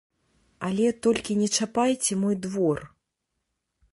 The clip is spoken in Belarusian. Але толькі не чапайце мой двор!